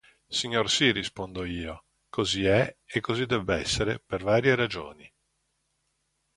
Signor sì, rispondo io, così è, e così debb'essere per varie ragioni.